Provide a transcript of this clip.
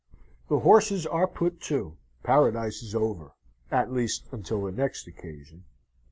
The horses are put to: Paradise is over at least until the next occasion.